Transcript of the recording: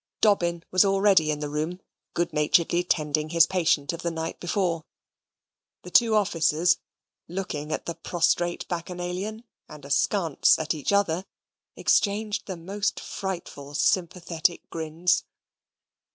Dobbin was already in the room, good naturedly tending his patient of the night before. The two officers, looking at the prostrate Bacchanalian, and askance at each other, exchanged the most frightful sympathetic grins.